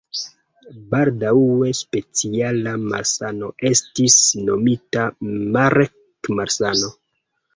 Baldaŭe speciala malsano estis nomita Marek-malsano.